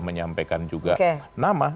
menyampaikan juga nama